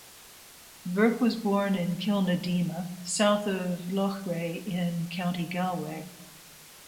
Burke was born in Kilnadeema, south of Loughrea in County Galway.